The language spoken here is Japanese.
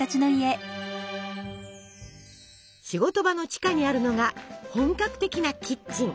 仕事場の地下にあるのが本格的なキッチン。